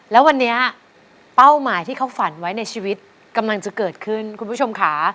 แล้ววันนี้เป้าหมายที่เขาฝันไว้ในชีวิตกำลังจะเกิดขึ้นคุณผู้ชมค่ะ